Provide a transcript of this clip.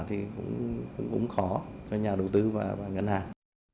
thì cũng khó cho nhà đầu tư và ngân hàng